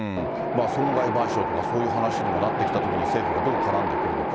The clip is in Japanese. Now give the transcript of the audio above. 損害賠償とかそういう話になってきたときに、政府がどう絡んでくるのか。